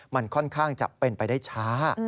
มันค่อนข้างจะเป็นไปได้ช้า